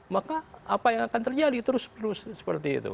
maka apa yang akan terjadi terus terus seperti itu